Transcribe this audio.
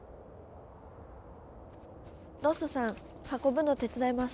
ロッソさん運ぶの手伝います。